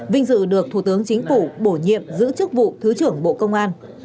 vinh dự được thủ tướng chính phủ bổ nhiệm giữ chức vụ thứ trưởng bộ công an